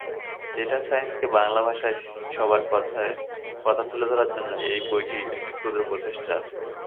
Data সাইন্সকে বাংলা ভাষায় সবার কাছে তুলে ধরার জন্য এই বইটি একটি ক্ষুদ্র প্রচেষ্টা।